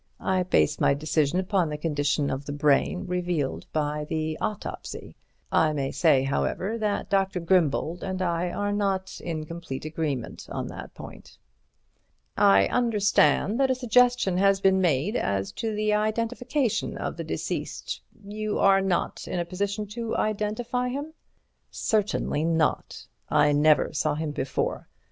I base my decision upon the condition of the brain revealed at the autopsy. I may say, however, that Dr. Grimbold and I are not in complete agreement on the point." "I understand that a suggestion has been made as to the identification of the deceased. You are not in a position to identify him?" "Certainly not. I never saw him before.